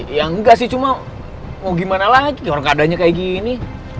ya enggak sih cuma mau gimana lagi orang keadaannya kayak gini